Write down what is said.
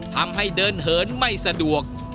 ทำให้เดินเหินไม่สะดวก